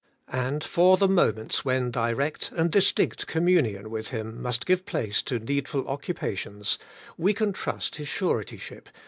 And for the moments when direct and distinct communion with Him must give place to needful occupations, we can trust His suretyship.